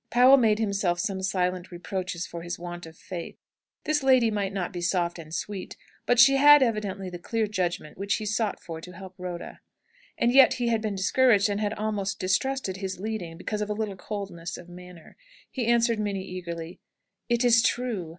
Powell made himself some silent reproaches for his want of faith. This lady might not be soft and sweet; but she had evidently the clear judgment which he sought for to help Rhoda. And yet he had been discouraged, and had almost distrusted his "leading," because of a little coldness of manner. He answered Minnie eagerly: "It is true!